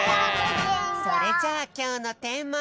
それじゃあきょうのテーマ。